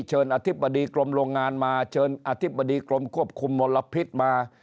อธิบดีกรมโรงงานมาเชิญอธิบดีกรมควบคุมมลพิษมา